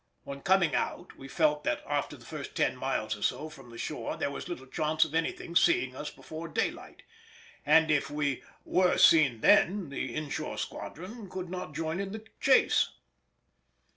On coming out, we felt that after the first ten miles or so from the shore there was little chance of anything seeing us before daylight, and if we were seen then the inshore squadron could not join in the chase.